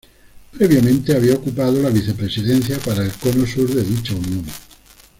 Previamente había ocupado la vicepresidencia para el Cono Sur de dicha Unión.